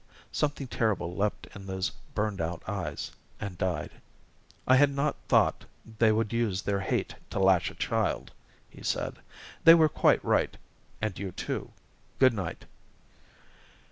Something terrible leaped in those burned out eyes and died. "I had not thought they would use their hate to lash a child," he said. "They were quite right and you, too. Good night."